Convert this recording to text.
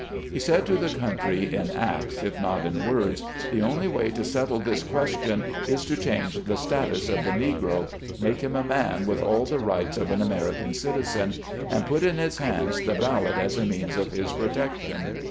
He said to the country in acts, if not in words, the only way to settle this question, is to change the status of the Negro, make him a man with all the rights of an American citizen, and put in his hands the bal lot as a means of his protection.